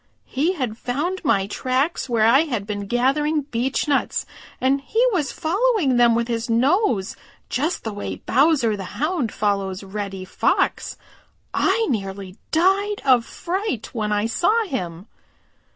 He had found my tracks where I had been gathering beechnuts, and he was following them with his nose just the way Bowser the Hound follows Reddy Fox. I nearly died of fright when I saw him."